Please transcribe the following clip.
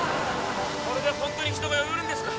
これで本当に人が呼べるんですか？